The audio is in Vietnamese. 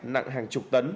nặng hàng chục